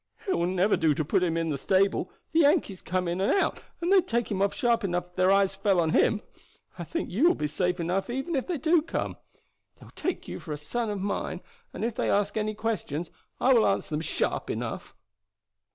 It will never do to put him in the stable; the Yankees come in and out and they'd take him off sharp enough if their eyes fell on him. I think you will be safe enough even if they do come. They will take you for a son of mine, and if they ask any questions I will answer them sharp enough."